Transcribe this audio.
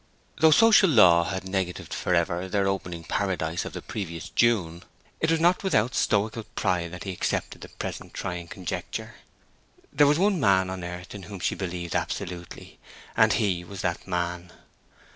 Though social law had negatived forever their opening paradise of the previous June, it was not without stoical pride that he accepted the present trying conjuncture. There was one man on earth in whom she believed absolutely, and he was that man.